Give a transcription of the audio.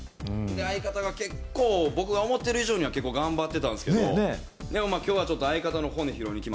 相方が結構僕が思ってる以上には結構頑張ってたんですけどでも今日は相方の骨拾いに来ました